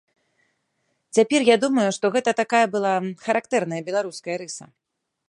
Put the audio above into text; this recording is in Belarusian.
Цяпер я думаю, што гэта такая была характэрная беларуская рыса.